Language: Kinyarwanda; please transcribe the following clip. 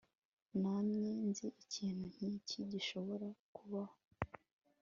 Namye nzi ikintu nkiki gishobora kubaho